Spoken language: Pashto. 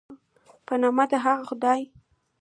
په نامه د هغه خدای